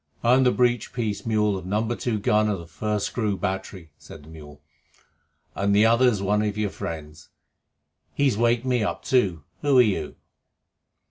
"I'm the breech piece mule of number two gun of the First Screw Battery," said the mule, "and the other's one of your friends. He's waked me up too. Who are you?"